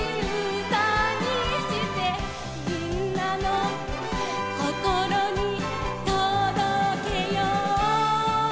「みんなのこころにとどけよう！」